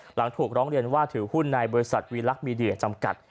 หลังถูกร้องเรียนว่าถือหุ้นในบริษัทวีลักษณ์มีเดียจำกัด